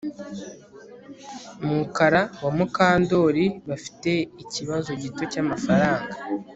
Mukara na Mukandoli bafite ikibazo gito cyamafaranga